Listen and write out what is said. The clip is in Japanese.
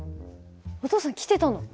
お父さん来てたの？